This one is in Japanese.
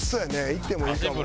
いってもいいかも。